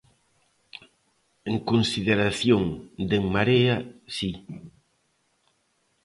En consideración de En Marea, si.